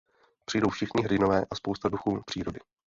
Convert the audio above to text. Přijdou všichni hrdinové a spousta duchů přírody.